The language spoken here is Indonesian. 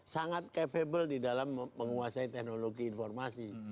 sangat capable di dalam menguasai teknologi informasi